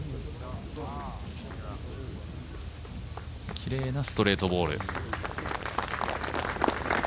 きれいなストレートボール。